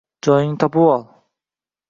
Joyingni topivol!